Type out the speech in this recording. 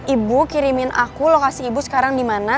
ibu kirimin aku lokasi ibu sekarang dimana